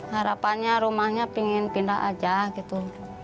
harapannya rumahnya pengen pindah aja gitu